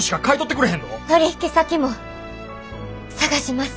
取引先も探します！